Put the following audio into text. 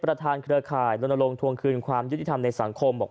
เครือข่ายลนลงทวงคืนความยุติธรรมในสังคมบอก